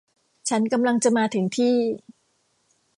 ฉันกำลังจะมาถึงที่